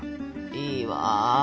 いいわ。